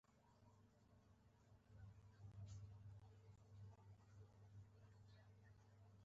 بدرنګه مخ د زړه زړورتیا نه لري